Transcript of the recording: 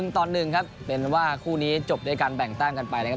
ต่อ๑ครับเป็นว่าคู่นี้จบด้วยการแบ่งแต้มกันไปนะครับ